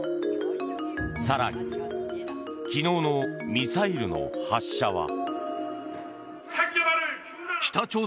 更に、昨日のミサイルの発射は。